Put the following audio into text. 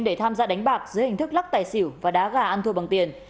để tham gia đánh bạc dưới hình thức lắc tài xỉu và đá gà ăn thua bằng tiền